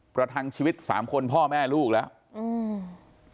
ประทังชีวิตสามคนพ่อแม่ลูกแล้วอืม